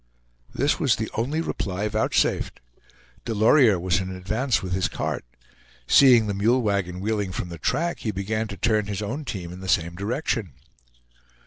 This was the only reply vouchsafed. Delorier was in advance with his cart. Seeing the mule wagon wheeling from the track, he began to turn his own team in the same direction.